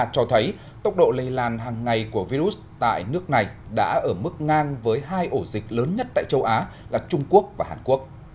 cho thấy tốc độ lây lan hàng ngày của virus tại nước này đã ở mức ngang với hai ổ dịch lớn nhất tại châu á là trung quốc và hàn quốc